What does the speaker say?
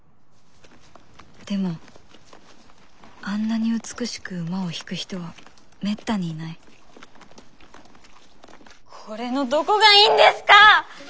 でもあんなに美しく馬を引く人はめったにいないこれのどこがいいんですか！